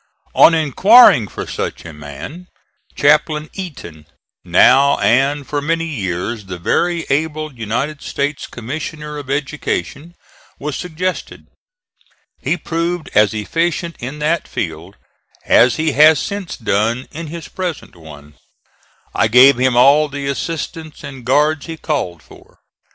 On inquiring for such a man Chaplain Eaton, now and for many years the very able United States Commissioner of Education, was suggested. He proved as efficient in that field as he has since done in his present one. I gave him all the assistants and guards he called for.